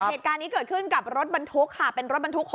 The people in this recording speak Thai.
เหตุการณ์นี้เกิดขึ้นกับรถบรรทุกค่ะเป็นรถบรรทุก๖